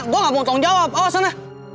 gue gak mau tanggung jawab awas sana